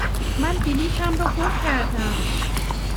من بلیطم را گم کردم.